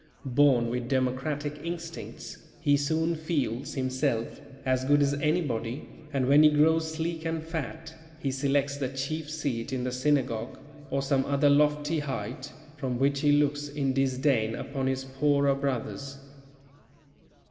Born with democratic instincts, he soon feels himself as good as anybody, and when he grows sleek and fat, he selects "the chief seat in the synagogue" or some other lofty height, from which he looks in disdain upon his poorer brothers.